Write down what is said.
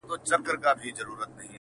زه د وینو له سېلابه نن تازه یمه راغلی -